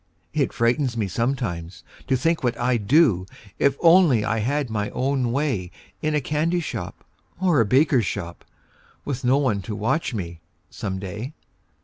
It frightens me sometimes, to think what I'd do, If only I had my own way In a candy shop or a baker shop, Witn no one to watch me, some day.